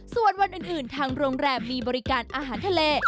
ส่วนวันอื่นทางโรงแรมมีบริการอาหารทะเล